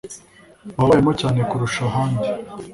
baba bayarimo cyane kurusha ahandi